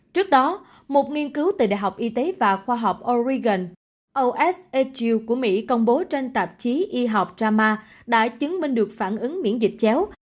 trước đó một nghiên cứu từ đại học y tế và khoa học origan osatu của mỹ công bố trên tạp chí y học rama đã chứng minh được phản ứng miễn dịch chéo